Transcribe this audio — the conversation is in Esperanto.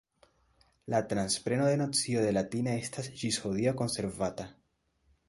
La transpreno de nocio de latina estas ĝis hodiaŭ konservata.